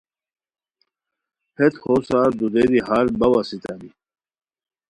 ہیت ہوسار دودیری ہال باؤ اسیتانی